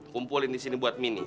kumpulin di sini buat mini